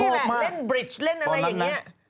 ชอบมากเล่นบริจเล่นอะไรอย่างนี้